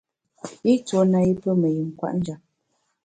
I tuo na i pe me yin kwet njap.